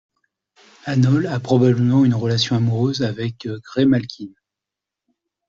Anole a probablement une relation amoureuse avec Graymalkin.